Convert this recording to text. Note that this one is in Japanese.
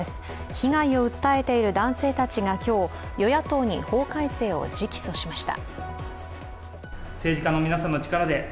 被害を訴えている男性たちが今日、与野党に法改正を直訴しました。